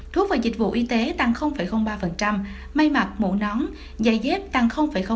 thuốc và dịch vụ y tế tăng ba mây mặt mũ nón giày dép tăng một